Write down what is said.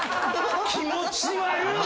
気持ち悪っ！